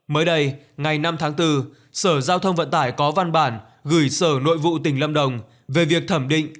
mới đây ngày năm tháng bốn sở giao thông vận tải có văn bản gửi sở nội vụ tỉnh lâm đồng về việc thẩm định